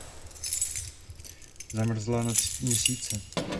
Zamrzá na tři měsíce.